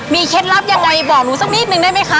เคล็ดลับยังไงบอกหนูสักนิดนึงได้ไหมคะ